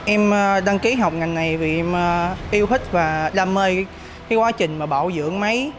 em đăng ký học ngành này vì em yêu thích và đam mê quá trình bảo dưỡng máy